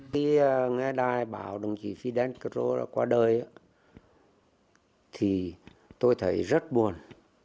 khi nghe đài bảo đồng chí fidel castro qua đời thì tôi thấy rất buồn